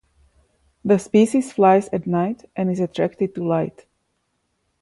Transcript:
The species flies at night and is attracted to light.